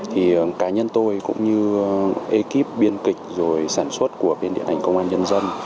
thì cá nhân tôi cũng như ekip biên kịch rồi sản xuất của biên điện ảnh công an nhân dân